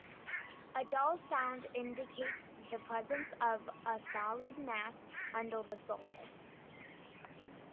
A dull sound indicates the presence of a solid mass under the surface.